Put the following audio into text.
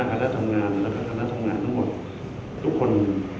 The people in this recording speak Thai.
คณะทำงานแล้วก็คณะทำงานทั้งหมดทุกคน